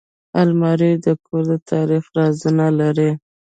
الماري د کور د تاریخ رازونه لري